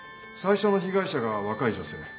最初の被害者が若い女性。